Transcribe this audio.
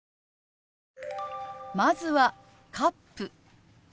まずは「カップ」。